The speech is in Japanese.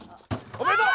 おめでとう！